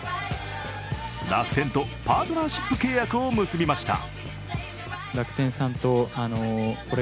楽天とパートナーシップ契約を結びました。